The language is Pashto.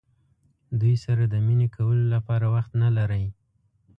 دوی سره د مینې کولو لپاره وخت نه لرئ.